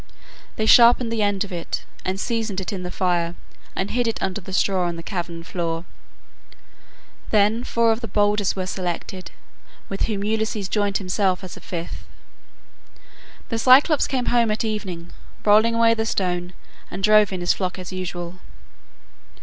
They sharpened the end of it, and seasoned it in the fire, and hid it under the straw on the cavern floor. Then four of the boldest were selected, with whom Ulysses joined himself as a fifth. The Cyclops came home at evening, rolled away the stone and drove in his flock as usual.